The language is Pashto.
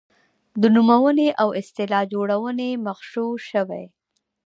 د نومونې او اصطلاح جوړونې مغشوشوي.